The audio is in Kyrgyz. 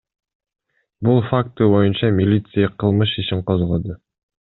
Бул факты боюнча милиция кылмыш ишин козгоду.